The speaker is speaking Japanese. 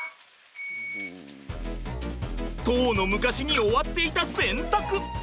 とうの昔に終わっていた洗濯。